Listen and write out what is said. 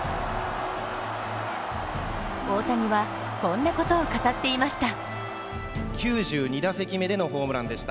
大谷はこんなことを語っていました。